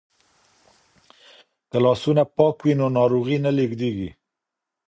که لاسونه پاک وي نو ناروغي نه لیږدیږي.